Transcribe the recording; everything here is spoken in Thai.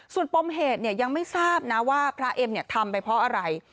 ส่วนปมเหตุยังไม่ทราบนะว่าพระเอ็มทำไปเพราะอะไร